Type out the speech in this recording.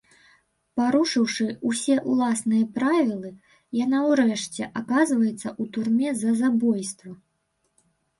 Парушыўшы ўсе ўласныя правілы, яна ўрэшце аказваецца ў турме за забойства.